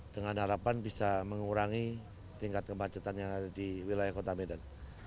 dengan harapan bisa mengurangi tingkat kemacetan yang ada di wilayah kota medan